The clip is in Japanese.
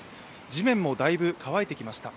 地面もだいぶ乾いてきました。